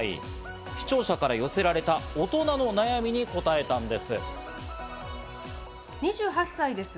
視聴者から寄せられた大人の悩みに答えたんです。